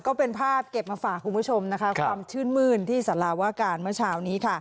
ก็เป็นภาพเก็บมาฝากคุณผู้ชมนะคะความชื่นมื้นที่สาราวาการเมื่อเช้านี้ค่ะ